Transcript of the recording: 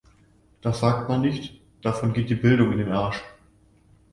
Das sagt man nicht, davon geht die Bildung in den Arsch!